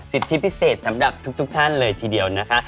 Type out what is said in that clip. สิทธิพิเศษสำหรับทุกท่านเลยทีเดียวนะคะ